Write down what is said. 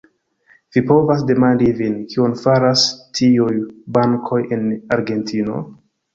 Vi povas demandi vin, kion faras tiuj bankoj en Argentino?